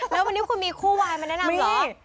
แล้ววันนี้คุณมีคู่วายมาแนะนำพี่